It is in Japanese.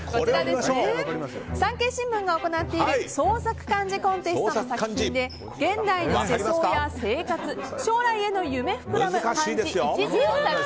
産経新聞が行っている創作漢字コンテストの作品で現代の世相や生活将来の夢が膨らむ